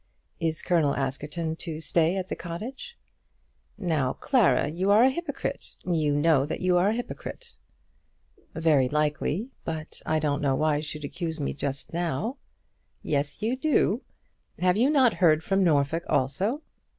Is Colonel Askerton to stay at the cottage?" "Now, Clara, you are a hypocrite. You know that you are a hypocrite." "Very likely, but I don't know why you should accuse me just now." "Yes, you do. Have not you heard from Norfolk also?"